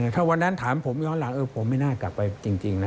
ถ้าวันนั้นถามผมย้อนหลังผมไม่น่ากลับไปจริงนะ